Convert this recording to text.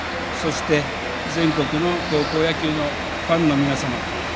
そして、全国の高校野球のファンの皆様。